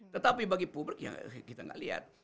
tetapi bagi publik ya kita nggak lihat